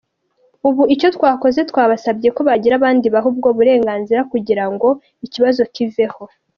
Ubu icyo twakoze, twabasabye ko bagira abandi baha ubwo burenganzira kugira ngo ikibazo kiveho.